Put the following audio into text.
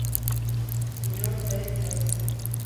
Sr. D. Josef.